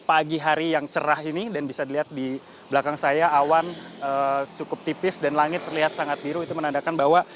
pagi hari yang cerah ini dan bisa dilihat di belakang saya awan cukup tipis dan langit terlihat sangat biru itu menandakan bahwa